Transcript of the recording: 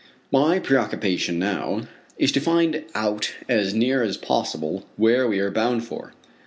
My preoccupation now is to find out as near as possible where we are bound for.